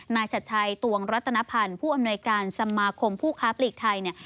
ชัดชัยตวงรัตนภัณฑ์ผู้อำนวยการสมาคมผู้ค้าปลีกไทยเนี่ย